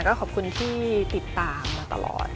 ก็ขอบคุณที่ติดตามมาตลอด